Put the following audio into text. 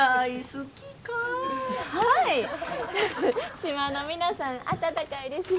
島の皆さん温かいですし。